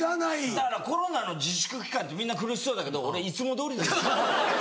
だからコロナの自粛期間ってみんな苦しそうだけど俺いつもどおり。